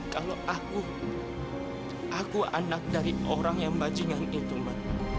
kalau aku aku anak dari orang yang bajingan itu mbak